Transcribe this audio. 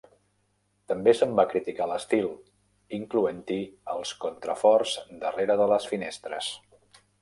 També se'n va criticar l'estil, incloent-hi els contraforts darrere de les finestres.